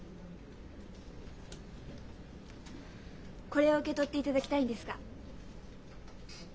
これを受け取っていただきたいんですが。